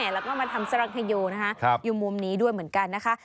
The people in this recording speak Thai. แล้วก็มาทำสรรคโยนะคะอยู่มุมนี้ด้วยเหมือนกันนะคะ